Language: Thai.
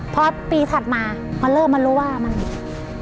พอปีถัดมามันเริ่มมารู้ว่ามัน